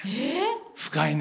深いね。